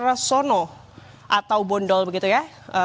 rasono atau bondol begitu ya